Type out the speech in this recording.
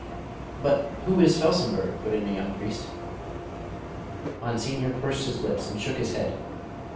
"But who is Felsenburgh?" put in a young priest. Monsignor pursed his lips and shook his head.